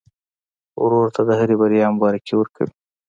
ورور ته د هرې بریا مبارکي ورکوې.